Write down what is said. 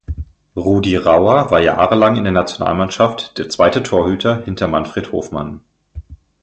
Rudi Rauer war jahrelang in der Nationalmannschaft der zweite Torhüter hinter Manfred Hofmann.